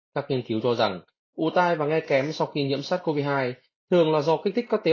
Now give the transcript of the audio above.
các nghiên cứu cho rằng ủ tai và nghe kém sau khi nhiễm sắc covid một mươi chín thường là do kích thích các tính mạng